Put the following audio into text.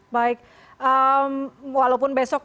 baik walaupun besok